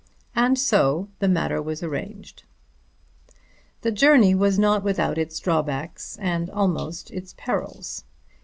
And so the matter was arranged. The journey was not without its drawbacks and almost its perils.